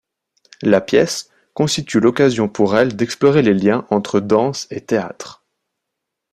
La pièce constitue l’occasion pour elle d’explorer les liens entre danse et théâtre.